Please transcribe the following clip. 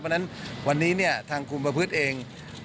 เพราะฉะนั้นวันนี้เนี่ยทางคุมประพฤติเอง